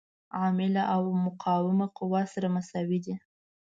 عامله او مقاومه قوه سره مساوي دي.